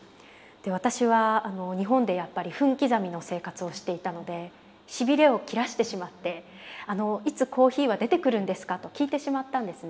私は日本でやっぱり分刻みの生活をしていたのでしびれを切らしてしまって「あのいつコーヒーは出てくるんですか」と聞いてしまったんですね。